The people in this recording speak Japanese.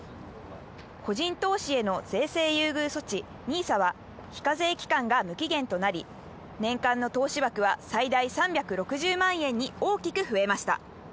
個人投資への税制優遇措置、ＮＩＳＡは非課税期間が無期限となり、年間の投資枠は最大３６０万円に大きく増えました。